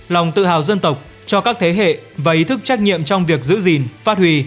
lòng tự hào dân tộc cho các thế hệ và ý thức trách nhiệm trong việc giữ gìn phát huy